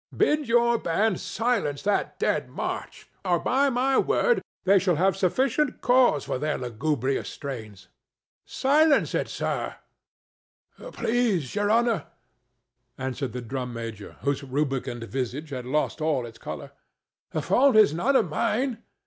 Bid your band silence that dead march, or, by my word, they shall have sufficient cause for their lugubrious strains. Silence it, sirrah!" "Please, Your Honor," answered the drum major, whose rubicund visage had lost all its color, "the fault is none of mine.